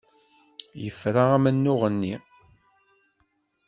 Yefra amennuɣ-nni.